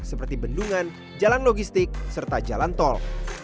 seperti bendungan jalan logistik serta jalan tol